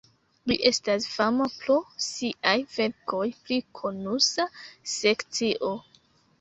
Li estas fama pro siaj verkoj pri konusa sekcio.